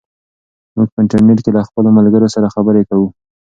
موږ په انټرنیټ کې له خپلو ملګرو سره خبرې کوو.